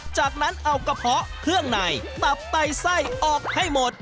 จากนั้นเอากระเพาะเครื่องในตับไตไส้ออกให้หมด